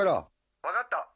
分かった